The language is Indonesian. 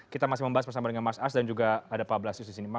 kita masih membahas bersama dengan mas ars dan juga ada pak blasius disini